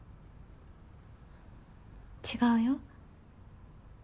違うよ。